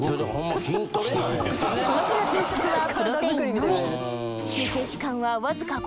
この日の昼食はプロテインのみえ？